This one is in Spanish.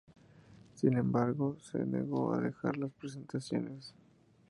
Sin embargo, se negó a dejar las presentaciones.